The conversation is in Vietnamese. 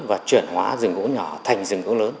và chuyển hóa rừng gỗ nhỏ thành rừng gỗ lớn